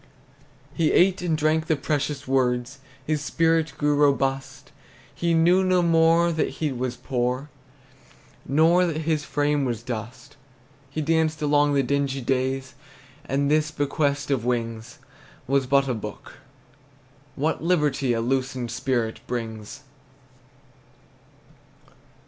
He ate and drank the precious words, His spirit grew robust; He knew no more that he was poor, Nor that his frame was dust. He danced along the dingy days, And this bequest of wings Was but a book. What liberty A loosened spirit brings!